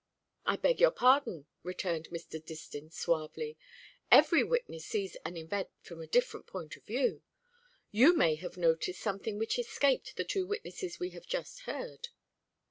"I beg your pardon," returned Mr. Distin suavely, "every witness sees an event from a different point of view. You may have noticed something which escaped the two witnesses we have just heard."